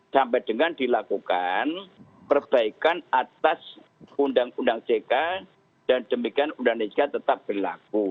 sampai dengan dilakukan perbaikan atas undang undang ck dan demikian undang undang cika tetap berlaku